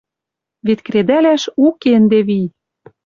Вет кредӓлӓш уке ӹнде вн!..